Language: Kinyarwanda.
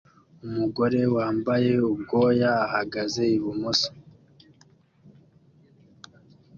Umugore wambaye ubwoya ahagaze ibumoso